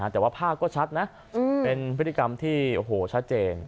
แต่ว่าภาพก็ชัดนะเป็นพฤติกรรมที่โอ้โหชัดเจน